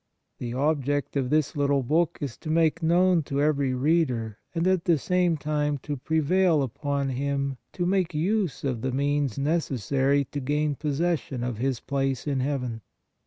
The object of this little book is to make known to every reader and, at the same time, to prevail upon him to make use of the means necessary to gain possession of his place in heaven.